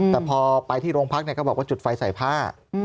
แต่พอไปที่โรงพักก็บอกว่าจุดไฟใส่ผ้า